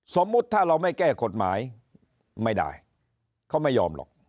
สมมุติถ้าเราไม่แก้กฎหมายไม่ได้เขาไม่ยอมหรอก